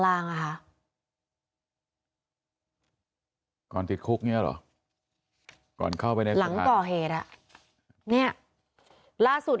การทิ้งกาลติดคุกนี่หรอก่อนเข้าไปสร้างกว่าเหตุล่ะเนี่ยล่าสุด